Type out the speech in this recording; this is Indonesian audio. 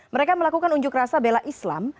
mereka melakukan unjuk rasa bela islam